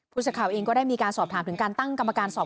พคก็ได้มีการสอบถามการตั้งกรรมการสอบ